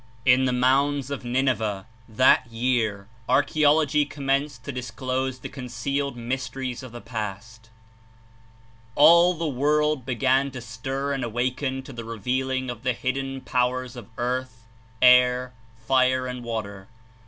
In the mounds of Nineveh, that year, archaeology commenced to disclose the concealed mysteries of the past. All the world began to stir and awaken to the re vealing of the hidden powers of earth, air, fire and water.